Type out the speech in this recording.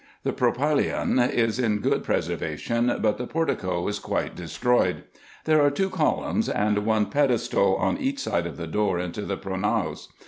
The propyla?on is in good preservation, but the portico is quite destroyed. There are two columns, and one pedestal, on each side of the door into the pronaos.